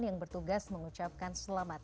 yang bertugas mengucapkan selamat